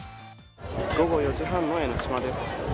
午後４時半の江の島です。